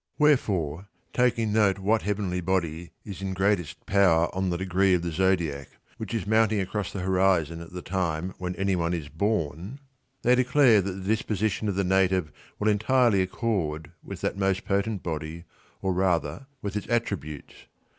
Wherefore, taking note what heavenly body is in greatest power on the degree [of the Zodiac] which is mounting across the horizon at the time when anyone is born, they declare that the disposition of the native will entirely accord with that most potent body, or rather with its attributes.